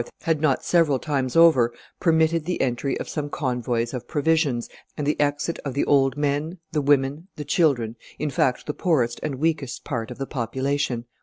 had not several times over permitted the entry of some convoys of provisions and the exit of the old men, the women, the children, in fact, the poorest and weakest part of the population.